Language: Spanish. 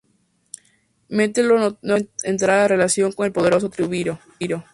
Metelo no tardó en entrar en relación con el poderoso triunviro.